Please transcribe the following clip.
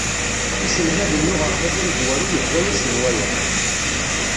Iselmaden n uɣerbaz amezwaru yehwa-asen waya